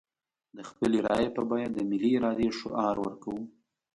د خپلې رايې په بيه د ملي ارادې شعار ورکوو.